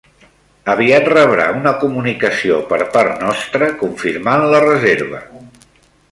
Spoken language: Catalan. Aviat rebrà una comunicació per part nostra confirmant la reserva.